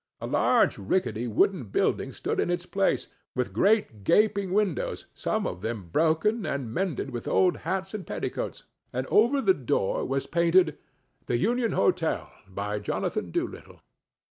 A large rickety wooden building stood in its place, with great gaping win[Pg 14]dows, some of them broken and mended with old hats and petticoats, and over the door was painted, "the Union Hotel, by Jonathan Doolittle."